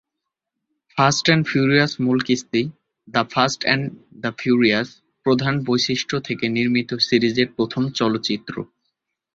Fast and furious মূল কিস্তি, the fast and the furious, প্রধান বৈশিষ্ট্য থেকে নির্মিত সিরিজের প্রথম চলচ্চিত্র।